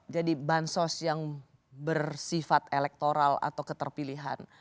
jadi bansos yang bersifat elektoral atau keterpilihan